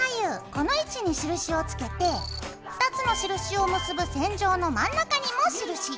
この位置に印をつけて２つの印を結ぶ線上の真ん中にも印。